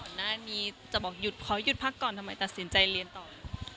หน้านี่จะบอกขอหยุดพักก่อนทำไมแต่สินใจเรียนต่อเลย